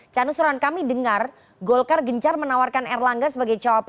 canus rohan kami dengar golkar gencar menawarkan erlangga sebagai cowok pres prabowo